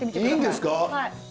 いいんですか。